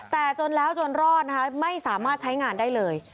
แต่จนแล้วจนรอดนะคะไม่สามารถใช้งานได้เลย